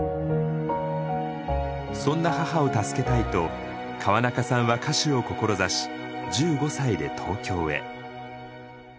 そんな母を助けたいと川中さんは歌手を志し１５歳で東京へ。